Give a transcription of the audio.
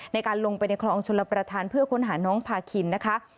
ในการลงไปในคลองชลประธานเพื่อค้นหาน้องพาคินนะคะ